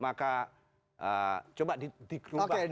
maka coba dikerupakan